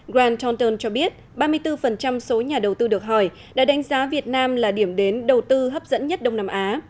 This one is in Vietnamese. grand taunton cho biết ba mươi bốn số nhà đầu tư được hỏi đã đánh giá việt nam là điểm đến đầu tư hấp dẫn nhất đông nam á